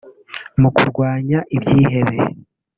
mu kurwanya ibyihebe